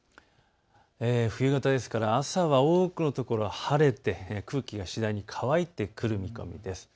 冬型ですから朝は多くの所、晴れて空気が次第に乾いてくる見込みです。